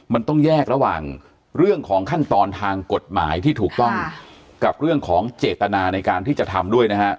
มันต้องแยกระหว่างเรื่องของขั้นตอนทางกฎหมายที่ถูกต้องกับเรื่องของเจตนาในการที่จะทำด้วยนะฮะ